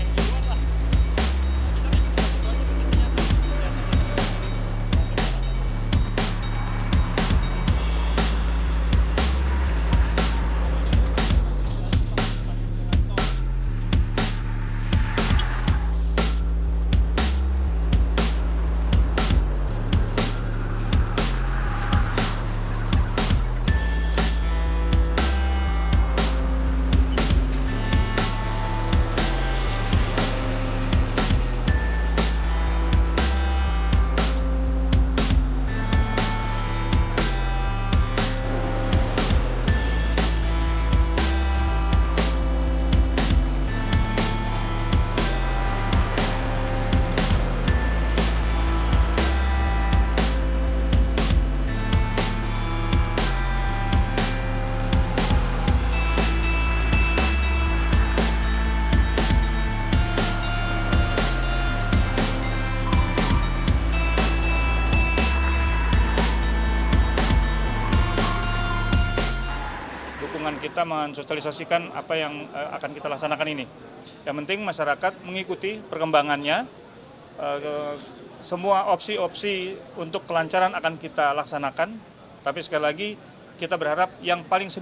jangan lupa like share dan subscribe ya